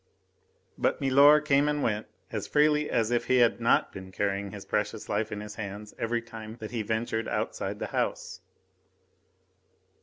But milor came and went as freely as if he had not been carrying his precious life in his hands every time that he ventured outside the house.